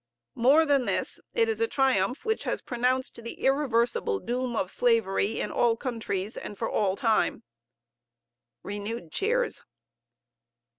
More than this, it is a triumph which has pronounced the irreversible doom of slavery in all countries and for all time. (Renewed cheers.)